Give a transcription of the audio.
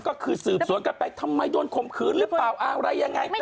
ก็คือสืบสวนกันไปทำไมโดนข่มขืนหรือเปล่าอะไรยังไง